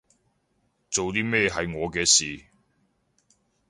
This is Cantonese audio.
做啲咩係我嘅事